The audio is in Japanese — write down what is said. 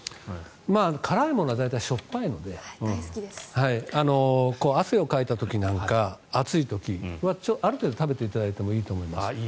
辛いものは大体しょっぱいので汗をかいた時なんか暑い時はある程度食べていただいてもいいと思います。